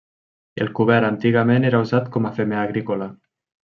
El cobert antigament era usat com a femer agrícola.